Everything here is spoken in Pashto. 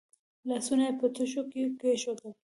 لاسونه یې په تشو کې کېښودل.